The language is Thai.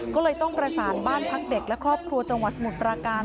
ก็เลยต้องประสานบ้านพักเด็กและครอบครัวจังหวัดสมุทรปราการ